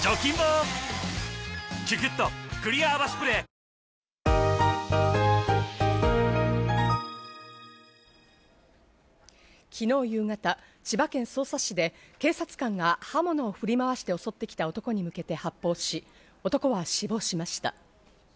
今日、抽選券を受け取ったのは昨日夕方、千葉県匝瑳市で警察官が刃物を振り回して襲ってきた男に向けて発砲し、男は死亡しました。